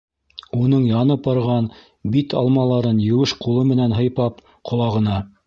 Уның янып барған бит алмаларын еүеш ҡулы менән һыйпап, ҡолағына: